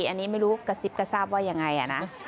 อันนี้ไม่รู้กระซิบกระซาบว่ายังไงนะ